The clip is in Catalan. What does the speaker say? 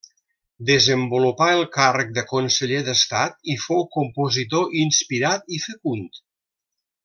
Desenvolupà el càrrec de conseller d'Estat i fou compositor inspirat i fecund.